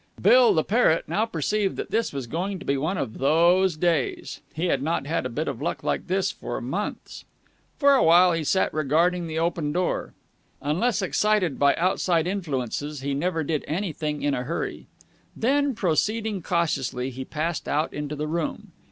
Bill the parrot now perceived that this was going to be one of those days. He had not had a bit of luck like this for months. For a while he sat regarding the open door. Unless excited by outside influences, he never did anything in a hurry. Then proceeding cautiously, he passed out into the room.